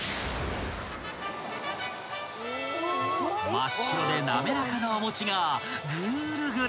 ［真っ白で滑らかなお餅がぐーるぐる］